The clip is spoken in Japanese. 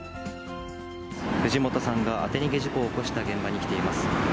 藤本さんが当て逃げ事故を起こした現場に来ています。